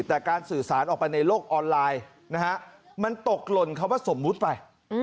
แต่การสื่อสารออกไปในโลกออนไลน์นะฮะมันตกหล่นคำว่าสมมุติไป